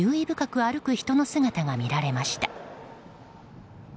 深く歩く人の姿が見られました。